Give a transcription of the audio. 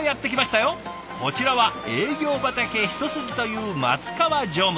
こちらは営業畑一筋という松川常務。